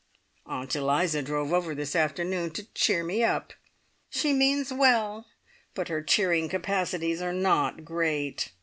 Aunt Eliza drove over this afternoon to "cheer me up". She means well, but her cheering capacities are not great.